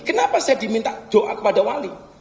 kenapa saya diminta doa kepada wali